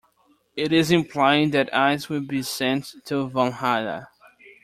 It is implied that Ice will be sent to Valhalla.